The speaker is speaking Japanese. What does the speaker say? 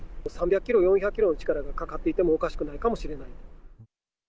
３００キロ、４００キロの力がかかっていてもおかしくないかもしれない。